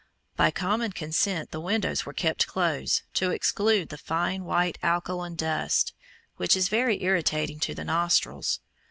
By common consent the windows were kept closed to exclude the fine white alkaline dust, which is very irritating to the nostrils.